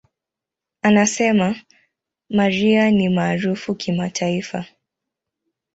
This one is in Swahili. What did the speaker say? Anasema, "Mariah ni maarufu kimataifa.